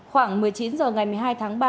khoảng một mươi chín h ngày một mươi hai tháng ba